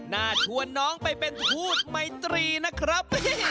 น่าชวนน้องไปเป็นทูบไมตรีนะครับ